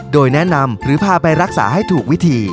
โดยแนะนำหรือพาไปรักษาให้ถูกวิธี